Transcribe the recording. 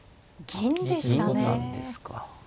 銀なんですか。